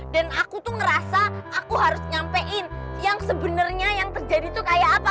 dan aku tuh ngerasa aku harus nyampein yang sebenernya yang terjadi tuh kayak apa